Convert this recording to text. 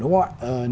đúng không ạ